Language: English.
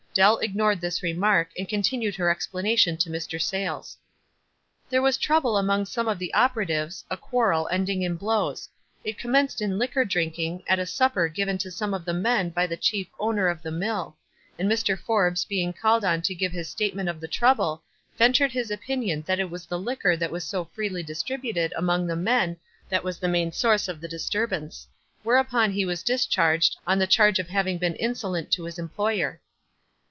Dell ignored this remark, and continued her expla nation to Mr. Sayles. " There was trouble among some of the oper atives, a quarrel, ending in blows. It com menced in liquor drinking, at a supper given to some of the men by the chief owmer of the mill ; and Mr. Forbes being called on to give his state WISE AND OTHERWISE. 75 merit of the trouble, ventured his opinion that it was the liquor that was so freely distributed among the men that was the main source of the disturbance, whereupon ho was discharged, on the charge of having been insolent to his em ployer.